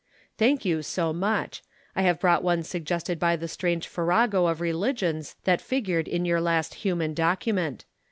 "Thank you so much. I have brought one suggested by the strange farrago of religions that figured in your last human document.